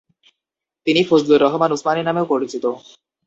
তিনি ফজলুর রহমান উসমানি নামেও পরিচিত।